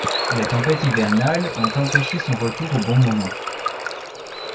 Les tempêtes hivernales ont empêché son retour au bon moment.